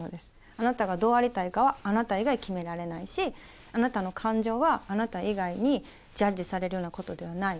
あなたがどうありたいかはあなた以外決められないし、あなたの感情はあなた以外にジャッジされるようなことではない。